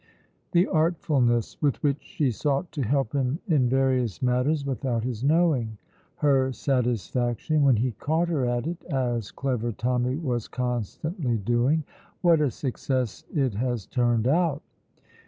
The artfulness with which she sought to help him in various matters without his knowing! Her satisfaction when he caught her at it, as clever Tommy was constantly doing! "What a success it has turned out!"